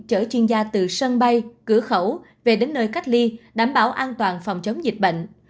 chở chuyên gia từ sân bay cửa khẩu về đến nơi cách ly đảm bảo an toàn phòng chống dịch bệnh